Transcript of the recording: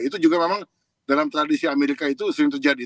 itu juga memang dalam tradisi amerika itu sering terjadi